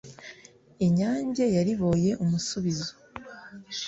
inyange yariboye umusubizo